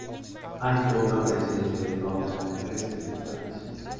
Hay poca presencia de fauna terrestre en El Paraíso.